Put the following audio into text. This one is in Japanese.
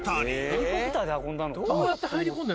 ヘリコプターで運んだのかな。